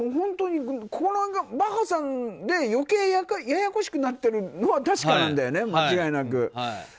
だからこのバッハさんで余計ややこしくなってるのは確かなんだよね、間違いなく。